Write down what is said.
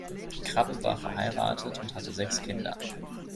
Krabbe war verheiratet und hatte sechs Kinder.